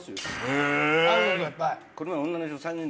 へえ。